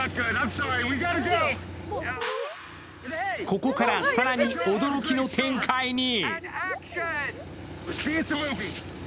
ここから更に驚きの展開に。